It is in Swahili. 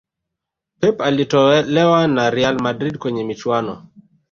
Pep alitolewa na Real Madrid kwenye michuano